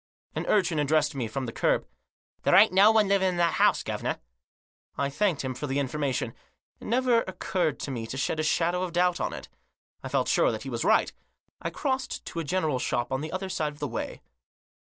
An urchin addressed me from the kerb. " There aint no one living in that 'ouse, guv*nor." I thanked him for the information ; it never occurred to me to shed a shadow of doubt on it. I felt sure that he was right. I crossed to a general shop on the other side of the way.